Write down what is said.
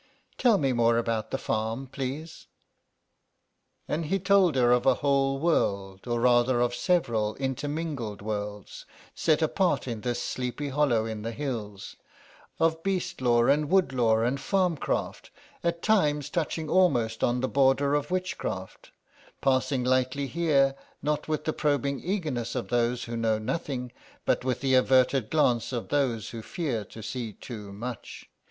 "Tell me more about the farm, please." And he told her of a whole world, or rather of several intermingled worlds, set apart in this sleepy hollow in the hills, of beast lore and wood lore and farm craft, at times touching almost the border of witchcraft—passing lightly here, not with the probing eagerness of those who know nothing, but with the averted glance of those who fear to see too much.